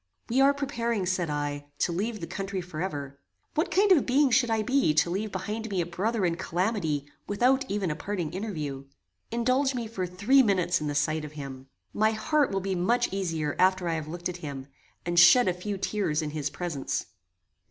"We are preparing," said I, "to leave the country forever: What kind of being should I be to leave behind me a brother in calamity without even a parting interview? Indulge me for three minutes in the sight of him. My heart will be much easier after I have looked at him, and shed a few tears in his presence."